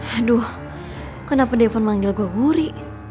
aduh kenapa depan manggil gue wuri